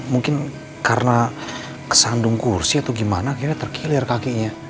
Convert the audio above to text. mungkin karena kesandung kursi atau gimana akhirnya terkilir kakinya